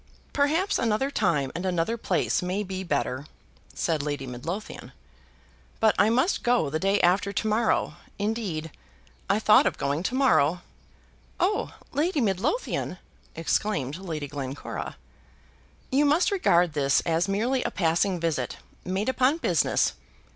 "Perhaps another time and another place may be better," said Lady Midlothian; "but I must go the day after to morrow, indeed, I thought of going to morrow." "Oh, Lady Midlothian!" exclaimed Lady Glencora. "You must regard this as merely a passing visit, made upon business.